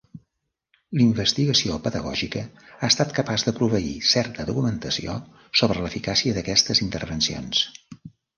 La investigació pedagògica ha estat capaç de proveir certa documentació sobre l'eficàcia d'aquestes intervencions.